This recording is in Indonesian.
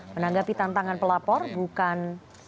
menanggapi tantangan pelapor bukan